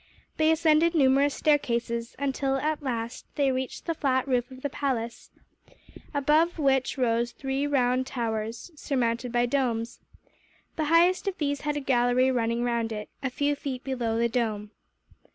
They ascended numerous staircases until, at last, they reached the flat roof of the palace; above which rose three round towers, surmounted by domes. The highest of these had a gallery running round it, a few feet below the dome.